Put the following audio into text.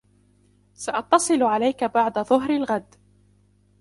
سأتصل عليك بعد ظهر الغد.